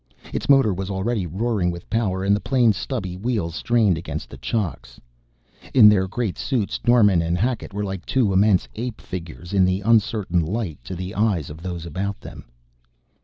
Its motor was already roaring with power and the plane's stubby wheels strained against the chocks. In their great suits Norman and Hackett were like two immense ape figures in the uncertain light, to the eyes of those about them.